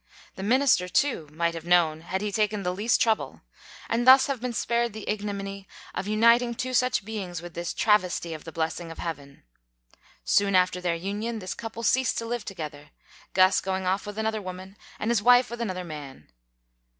The minister, too, might have known, had he taken the least trouble, and thus have been spared the ignominy of uniting two such beings with this travesty of the blessing of heaven. Soon after their union, this couple ceased to live together Guss going off with another woman and his wife with another man.